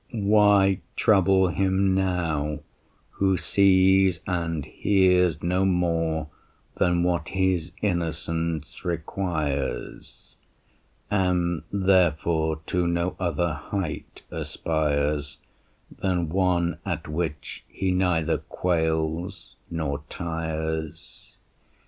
Why trouble him now who sees and hears No more than what his innocence requires, And therefore to no other height aspires Than one at which he neither quails nor tires?